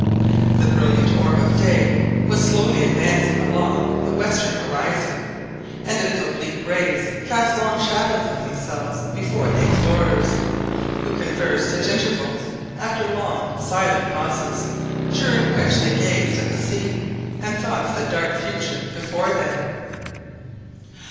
The briliant orb of day was slowly advancing along the western horizon, and its oblique rays cast long shadows of themselves before the explorers, who conversed at intervals after long silent pauses, during which they gazed at the sea and thought of the dark future before them.